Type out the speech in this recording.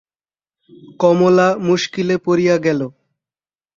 কমলা মুশকিলে পড়িয়া গেল।